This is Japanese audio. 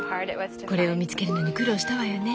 これを見つけるのに苦労したわよね。